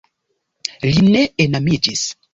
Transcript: Li ne enamiĝis.